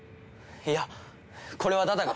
いやこれはダダが。